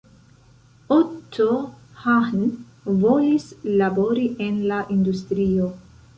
Otto Hahn volis labori en la industrio.